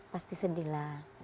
pasti sedih lah